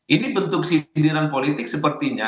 ini bentuk sindiran politik sepertinya